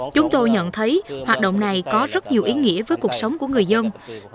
chúng tôi nhận thấy hoạt động này có rất nhiều ý nghĩa với cuộc sống của người dân